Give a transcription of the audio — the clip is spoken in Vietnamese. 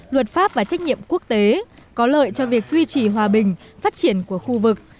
luật pháp và trách nhiệm quốc tế có lợi cho việc duy trì hòa bình phát triển của khu vực